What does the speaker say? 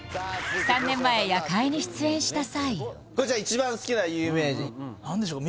３年前「夜会」に出演した際こちら一番好きな有名人何でしょう